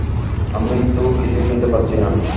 আমি তো কিছুই শুনতে পাচ্ছি না।